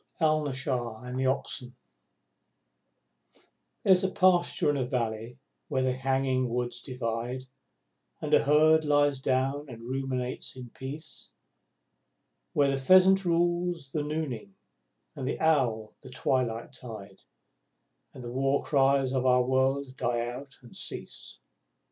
Alnaschar And The Oxen By Rudyard Kipling There's a pasture in a valley where the hanging woods divide, And a Herd lies down and ruminates in peace; Where the pheasant rules the nooning, and the owl the twilight tide, And the war cries of our world die out and cease.